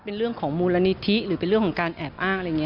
เป็นเรื่องของมูลนิธิหรือเป็นเรื่องของการแอบอ้าง